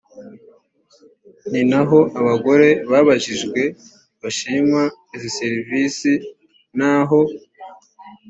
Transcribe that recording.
ni naho abagore babajijwe bashima izi serivisi naho